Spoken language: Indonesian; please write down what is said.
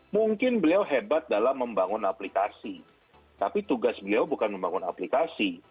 mungkin beliau hebat dalam membangun aplikasi tapi tugas beliau bukan membangun aplikasi